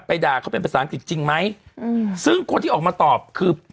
ด่าเขาเป็นภาษาอังกฤษจริงไหมอืมซึ่งคนที่ออกมาตอบคือ